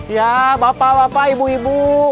ya bapak bapak ibu ibu